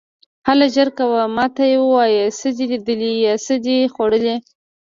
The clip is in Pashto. هله ژر کوه، ما ته یې ووایه، څه دې لیدلي یا څه دې خوړلي.